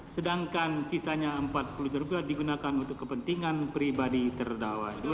sedangkan sisanya empat puluh terbuat digunakan untuk kepentingan pribadi terdakwa